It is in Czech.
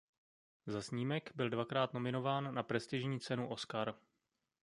Za snímek byl dvakrát nominován na prestižní cenu Oscar.